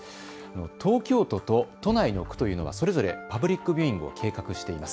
東京都と都内の区というのはそれぞれパブリックビューイングを計画しています。